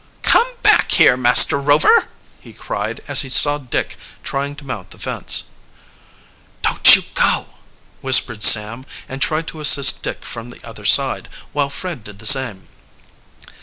"Come back here, Master Rover!" he cried, as he saw Dick trying to mount the fence. "Don't you go!" whispered Sam, and tried to assist Dick from the other side, while Fred did the same.